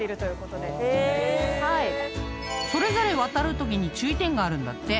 ［それぞれ渡るときに注意点があるんだって］